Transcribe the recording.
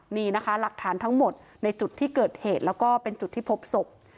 นี่นะคะหลักฐานทั้งหมดในจุดที่เกิดเหตุแล้วก็เป็นจุดที่พบศพ